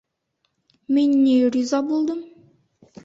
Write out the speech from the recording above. Мин ни, риза булдым.